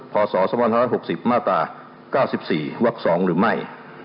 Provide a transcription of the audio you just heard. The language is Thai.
พศ๖๖๙๔ว๒หรือไม่